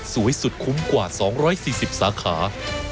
สุดคุ้มกว่า๒๔๐สาขา